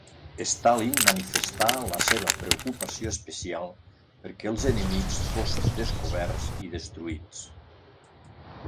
Stalin manifestà la seva preocupació especial perquè els enemics fossin descoberts i destruïts.